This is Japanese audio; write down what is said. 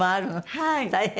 はい。